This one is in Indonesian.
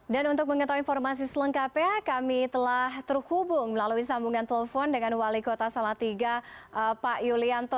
dan untuk mengetahui informasi selengkapnya kami telah terhubung melalui sambungan telpon dengan wali kota salatiga pak yulianto